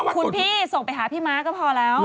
คุณพี่ส่งไปหาพี่ม้าก็พอแล้ว